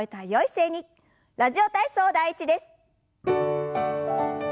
「ラジオ体操第１」です。